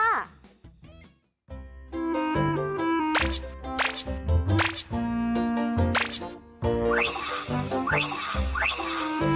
โอ้โฮ